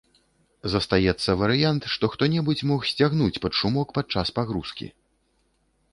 Застаецца варыянт, што хто-небудзь мог сцягнуць пад шумок падчас пагрузкі.